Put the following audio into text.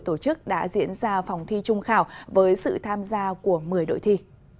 tổ chức đã diễn ra phòng thi trung khảo với sự tham gia của một mươi đội thi